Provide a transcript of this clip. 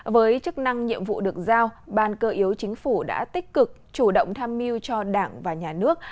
với chức năng nhiệm vụ được giao ban cơ yếu chính phủ đã tích cực chủ động tham mưu cho đảng và nhà nước